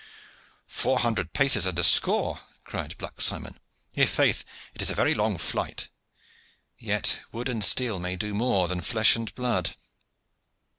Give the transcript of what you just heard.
"Four hundred paces and a score," cried Black Simon. "I' faith, it is a very long flight. Yet wood and steel may do more than flesh and blood."